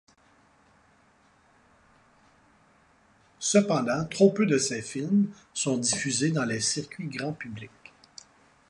Cependant, trop peu de ces films sont diffusés dans les circuits grand public.